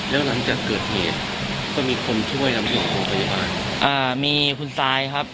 แล้วหลังจากเกิดเหตุก็มีคนช่วยนำส่งโรงพยาบาลอ่ามีคุณซายครับ